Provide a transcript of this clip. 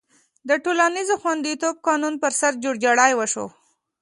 د ټولنیز خوندیتوب قانون پر سر جوړجاړی وشو.